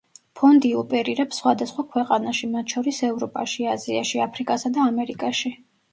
ფონდი ოპერირებს სხვადასხვა ქვეყანაში, მათ შორის ევროპაში, აზიაში, აფრიკასა და ამერიკაში.